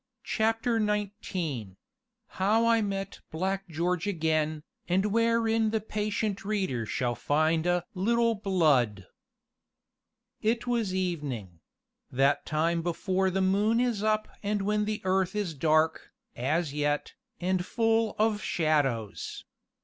CHAPTER XIX HOW I MET BLACK GEORGE AGAIN, AND WHEREIN THE PATIENT READER SHALL FIND A "LITTLE BLOOD" It was evening that time before the moon is up and when the earth is dark, as yet, and full of shadows.